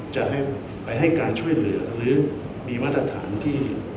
จะไปให้การช่วยเหลือหรือมีมาตรฐานที่